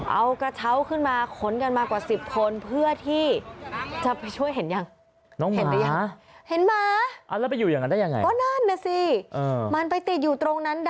เอากระเช้าขึ้นมาขนกันมากว่า๑๐คนเพื่อที่จะไปช่วยเห็นยัง